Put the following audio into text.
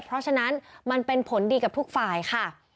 เพราะฉะนั้นมันเป็นผลดีกับทุกฝ่ายค่ะ